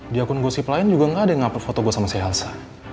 di akun gosip lain juga gak ada yang foto gue sama si elsa